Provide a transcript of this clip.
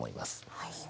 はい。